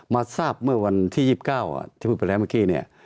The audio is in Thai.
มาทราบเมื่อวันที่๒๙ที่พูดไปแล้วเมื่อกี้เนี่ย